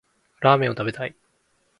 ラーメンを食べたい